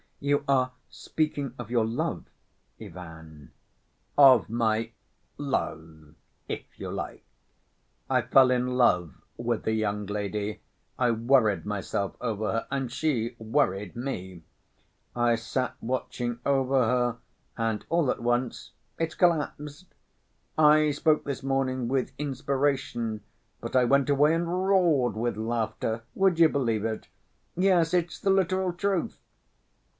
"You are speaking of your love, Ivan?" "Of my love, if you like. I fell in love with the young lady, I worried myself over her and she worried me. I sat watching over her ... and all at once it's collapsed! I spoke this morning with inspiration, but I went away and roared with laughter. Would you believe it? Yes, it's the literal truth."